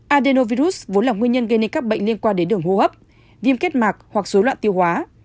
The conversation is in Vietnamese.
adenovirus vốn là nguyên nhân gây nên các bệnh liên quan đến đường hô hấp viêm kết mạc hoặc dối loạn tiêu hóa